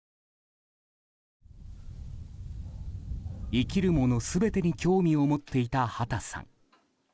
生きるもの全てに興味を持っていた畑さん。